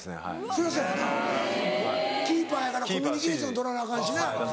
そりゃそやよなキーパーやからコミュニケーションとらなアカンしな。